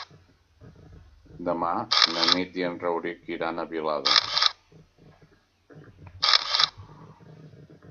Demà na Nit i en Rauric iran a Vilada.